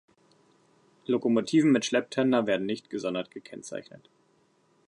Lokomotiven mit Schlepptender werden nicht gesondert gekennzeichnet.